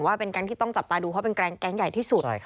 ว่าเป็นแก๊งที่ต้องจับตาดูเขาเป็นแก๊งใหญ่ที่สุด